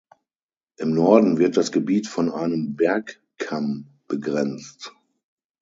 Im Norden wird das Gebiet von einem Bergkamm begrenzt.